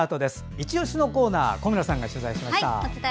いちオシのコーナー小村さんが取材しました。